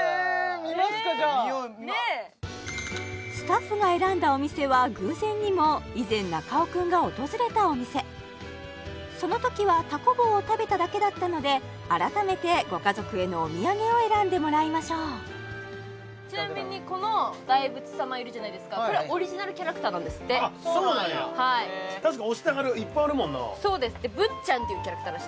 見ますかじゃあスタッフが選んだお店は偶然にも以前中尾君が訪れたお店その時はたこ棒を食べただけだったので改めてご家族へのお土産を選んでもらいましょうちなみにこの大仏様いるじゃないですかこれはあっそうなんや確かに推してはるいっぱいあるもんなそうですぶっちゃん？